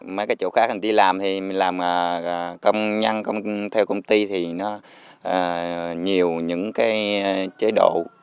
mấy cái chỗ khác hành tí làm thì mình làm công nhân theo công ty thì nó nhiều những cái chế độ